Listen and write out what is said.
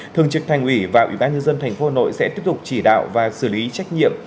thường trực thành ủy và bị bán nhân dân thành phố hà nội sẽ tiếp tục chỉ đạo và xử lý trách nhiệm